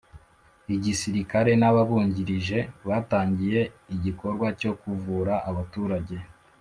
igisirikare n’ ababungirije batangiye igikorwa cyo kuvura abaturage